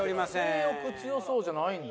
「性欲強そう」じゃないんだ。